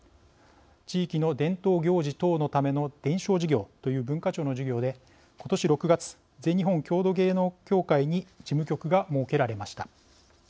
「地域の伝統行事等のための伝承事業」という文化庁の事業で今年６月全日本郷土芸能協会に事務局が設けられました。